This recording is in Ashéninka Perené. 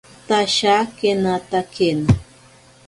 Tashakenatakena.